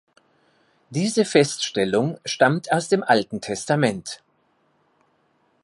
Diese Feststellung stammt aus dem Alten Testament.